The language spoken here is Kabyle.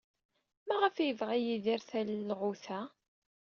Maɣef ay yebɣa Yidir talɣut-a?